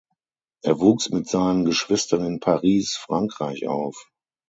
Er wuchs mit seinen Geschwistern in Paris, Frankreich auf.